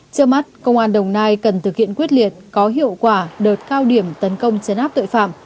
trước mắt công an đồng nai cần thực hiện quyết liệt có hiệu quả đợt cao điểm tấn công chấn áp tội phạm